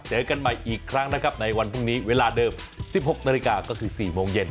เจอกันใหม่อีกครั้งนะครับในวันพรุ่งนี้เวลาเดิม๑๖นาฬิกาก็คือ๔โมงเย็น